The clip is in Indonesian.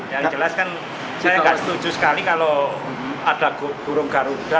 yang jelas kan saya nggak setuju sekali kalau ada burung garuda